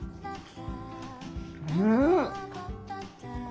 うん。